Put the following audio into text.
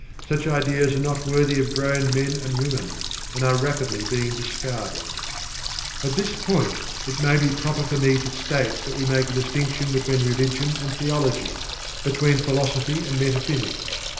Such ideas are not worthy of grown men and women, and are rapidly being discarded. (At this point, it may be proper for me to state that we make a distinction between Religion and Theology between Philosophy and Metaphysics.